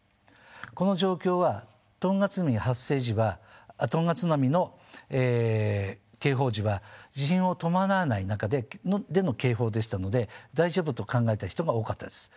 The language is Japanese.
この状況はトンガ津波の警報時は地震を伴わない中での警報でしたので大丈夫と考えた人が多かったです。